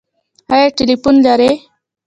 ایا ټیلیفون لرئ؟